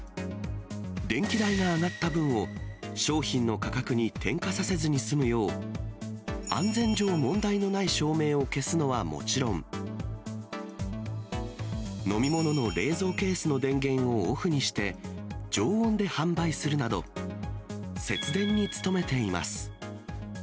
電気代が上がった分を、商品の価格に転嫁させずに済むよう、安全上問題のない照明を消すのはもちろん、飲み物の冷蔵ケースの電源をオフにして、常温で販売するなど、節電に努めています。